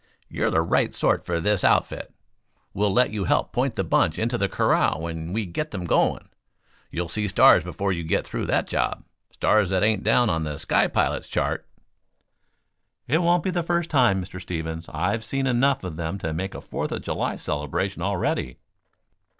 "You're the right sort for this outfit. We'll let you help point the bunch into the corral when we get them going. You'll see stars before you get through with that job stars that ain't down on the sky pilot's chart." "It won't be the first time, Mr. Stevens. I've seen enough of them to make a Fourth of July celebration, already."